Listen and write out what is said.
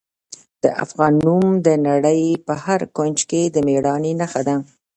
د افغان نوم د نړۍ په هر کونج کې د میړانې نښه ده.